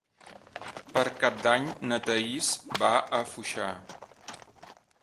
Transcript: Per Cap d'Any na Thaís va a Foixà.